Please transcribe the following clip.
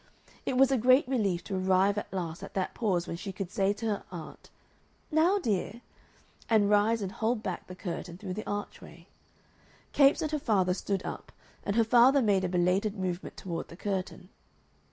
It was a great relief to arrive at last at that pause when she could say to her aunt, "Now, dear?" and rise and hold back the curtain through the archway. Capes and her father stood up, and her father made a belated movement toward the curtain.